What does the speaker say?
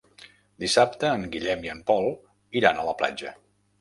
Dissabte en Guillem i en Pol iran a la platja.